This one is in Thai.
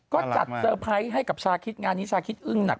ก็จัดเตอร์ไพรส์ให้กับชาคิดงานนี้ชาคิดอึ้งหนัก